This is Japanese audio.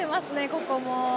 ここも。